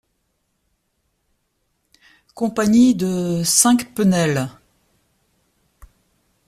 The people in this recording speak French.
Compagnie de V Penelle.